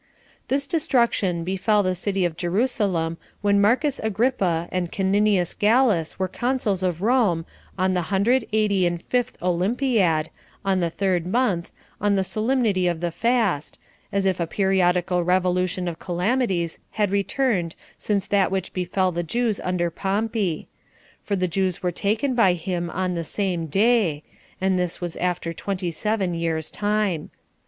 4. This destruction befell the city of Jerusalem when Marcus Agrippa and Caninius Gallus were consuls of Rome 30 on the hundred eighty and fifth olympiad, on the third month, on the solemnity of the fast, as if a periodical revolution of calamities had returned since that which befell the Jews under Pompey; for the Jews were taken by him on the same day, and this was after twenty seven years' time.